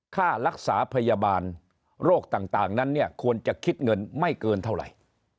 ค่ารักษาพยาบาลโรคต่างนั้นเนี่ยควรจะคิดเงินไม่เกินเท่าไหร่